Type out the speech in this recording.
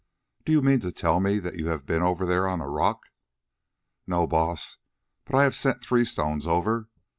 "Do you mean to tell me that you have been over there on a rock?" "No, Baas, but I have sent three stones over.